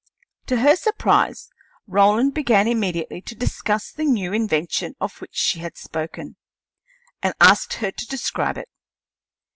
To her surprise, Roland began immediately to discuss the new invention of which she had spoken, and asked her to describe it.